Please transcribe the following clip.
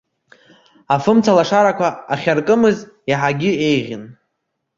Афымцалашарақәа ахьаркымыз иаҳагьы еиӷьын.